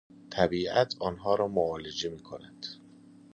طبیعت آنها را معالجه می کند